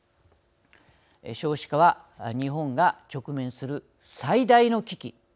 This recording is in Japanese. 少子化は日本が直面する最大の危機。